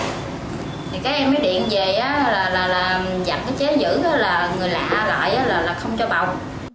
thì các em mới điện về là dặn cái chế giữ là người lạ lại là không cho bồng